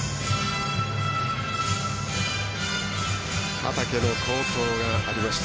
畠の好投がありました。